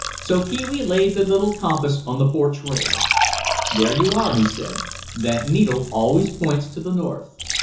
So Pee wee laid the compass on the porch rail. "There you are," he said; "that needle always points to the north."